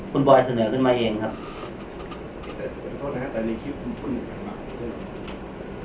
คุณบอยเสนอขึ้นมาเองครับแต่ในคลิปคุณพูดหนึ่งพันบาท